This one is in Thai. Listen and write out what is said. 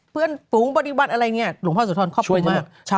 เพื่อนฝูงบริวัติอะไรเนี้ยหลวงพ่อสุทธรณ์ครอบครึงมากใช่